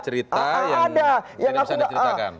jadi ada cerita yang bisa anda ceritakan